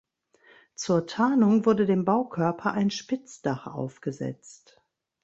Zur Tarnung wurde dem Baukörper ein Spitzdach aufgesetzt.